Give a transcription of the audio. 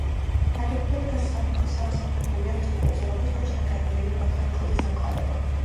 ნაგებობა დგას სამსაფეხურიან ცოკოლზე, რომლის ქვეშ განიერი ბაქანი კლდეს ემყარება.